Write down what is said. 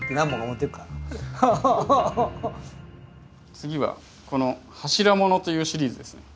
次はこの柱物というシリーズですね。